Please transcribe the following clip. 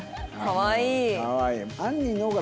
かわいい。